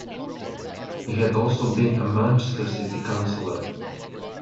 He had also been a Manchester City Councillor.